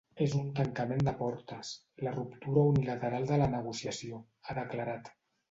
És un tancament de portes, la ruptura unilateral de la negociació, ha declarat.